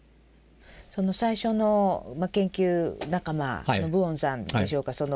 その最初の研究仲間のプオンさんでしょうか。